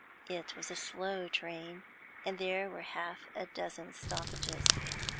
It was a slow train, and there were half a dozen stoppages.